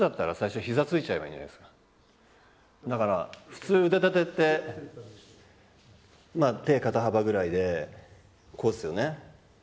普通腕立てって手、肩幅ぐらいでこうですよね。